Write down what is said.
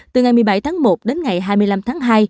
từ ngày một mươi bảy tháng một đến ngày hai mươi năm tháng hai